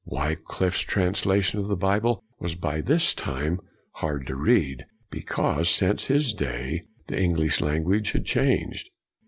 Wycliffe's translation of the Bible was by this time hard to read; because, since his day, the English language had changed.